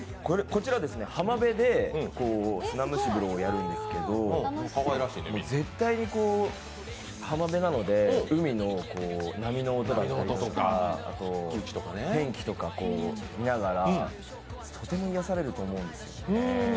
こちらは浜辺で砂蒸し風呂をやるんですけど、絶対に、浜辺なので海の波の音だとか天気とか見ながらとても癒やされると思うんです。